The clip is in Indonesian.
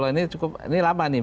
ini cukup ini lama nih